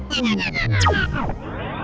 jangan jangan jangan